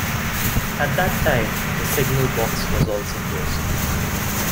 At that time the signal box was also closed.